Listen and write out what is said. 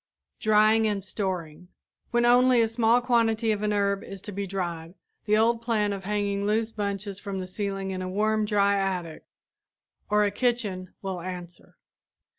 DRYING AND STORING When only a small quantity of an herb is to be dried, the old plan of hanging loose bunches from the ceiling of a warm, dry attic or a kitchen will answer.